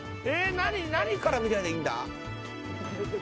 何から見りゃいいんだ？